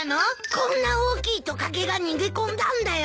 こんな大きいトカゲが逃げ込んだんだよ。